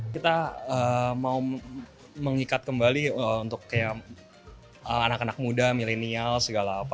kita mau mengikat kembali untuk kayak anak anak muda milenial segala apa